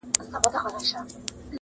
سر له کتابه کړه راپورته،